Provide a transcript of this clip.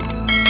aku mau pergi